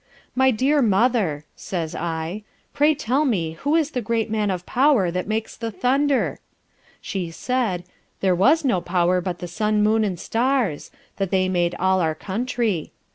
My dear mother says I, pray tell me who is the great Man of Power that makes the thunder? She said, there was no power but the sun, moon and stars; that they made all our country.